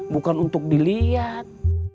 bukan untuk diliat